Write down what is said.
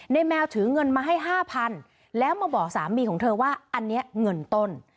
แมวถือเงินมาให้๕๐๐๐แล้วมาบอกสามีของเธอว่าอันนี้เงินต้น